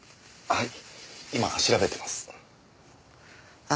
はい？